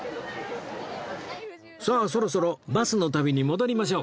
さあそろそろバスの旅に戻りましょうか